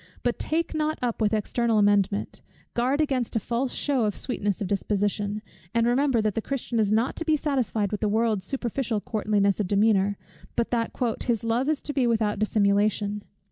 But take not up with external amendment; guard against a false shew of sweetness of disposition; and remember that the Christian is not to be satisfied with the world's superficial courtliness of demeanor, but that his "Love is to be without dissimulation."